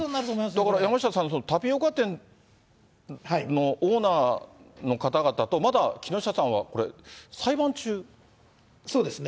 だから山下さん、タピオカ店のオーナーの方々と、まだ木下さそうですね。